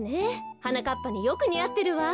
はなかっぱによくにあってるわ。